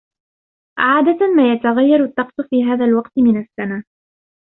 عادةً ما يتغير الطقس في هذا الوقت من السنة.